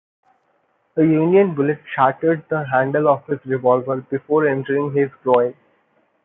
A Union bullet shattered the handle of his revolver before entering his groin.